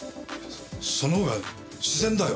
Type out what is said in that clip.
その方が自然だよ。